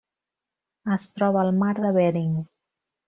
Es troba al Mar de Bering.